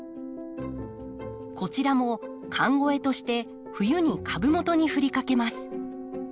こちらも寒肥として冬に株元にふりかけます。